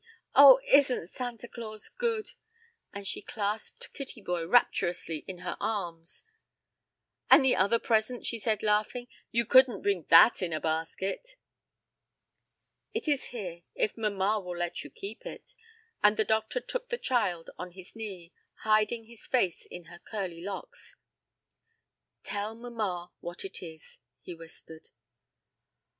Oh, isn't Santa Claus good?" and she clasped Kittyboy rapturously in her arms. "And the other present," she said, laughing, "you couldn't bring that in a basket." "It is here, if mamma will let you keep it," and the doctor took the child on his knee, hiding his face in her curly locks. "Tell mamma what it is," he whispered.